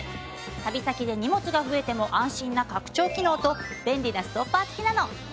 旅先で荷物が増えても安心な拡張機能と便利なストッパー付きなの。